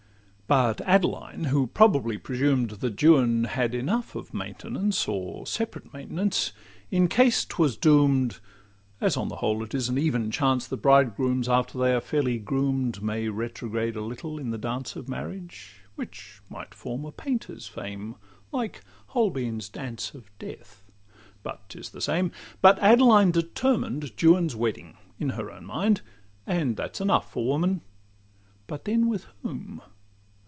But Adeline, who probably presumed That Juan had enough of maintenance, Or separate maintenance, in case 'twas doom'd— As on the whole it is an even chance That bridegrooms, after they are fairly groom'd, May retrograde a little in the dance Of marriage (which might form a painter's fame, Like Holbein's 'Dance of Death'—but 'tis the same);— But Adeline determined Juan's wedding In her own mind, and that 's enough for woman: But then, with whom?